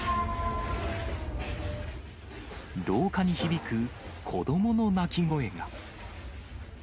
廊下に響く子どもの泣き声が。